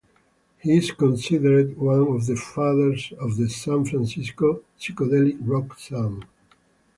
He is considered one of the fathers of the San Francisco psychedelic rock sound.